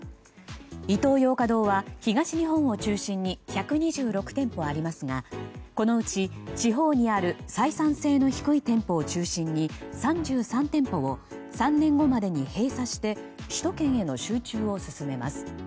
イトーヨーカドーは東日本を中心に１２６店舗ありますがこのうち地方にある採算性の低い店舗を中心に３３店舗を３年後までに閉鎖して首都圏への集中を進めます。